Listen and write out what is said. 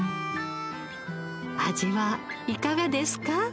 味はいかがですか？